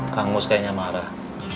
kang mus kayaknya marah